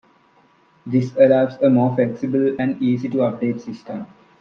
This allows a more flexible and easy to update system.